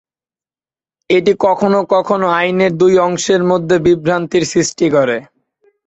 এটি কখনও কখনও আইনের দুই অংশের মধ্যে বিভ্রান্তির সৃষ্টি করে।